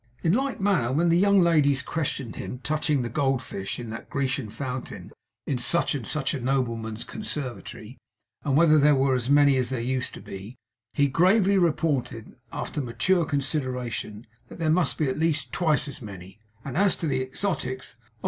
In like manner when the young ladies questioned him touching the Gold Fish in that Grecian fountain in such and such a nobleman's conservatory, and whether there were as many as there used to be, he gravely reported, after mature consideration, that there must be at least twice as many; and as to the exotics, 'Oh!